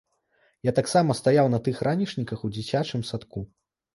Я таксама стаяў на тых ранішніках у дзіцячым садку.